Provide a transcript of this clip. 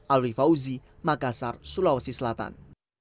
alwi fauzi makassar sulawesi selatan